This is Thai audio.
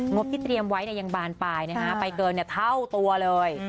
บที่เตรียมไว้ยังบานปลายนะฮะไปเกินเท่าตัวเลย